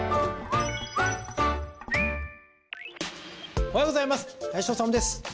おはようございます林修です。